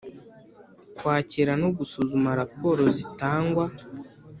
Kwakira no gusuzuma raporo zitangwa